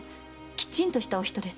きちんとしたお人です。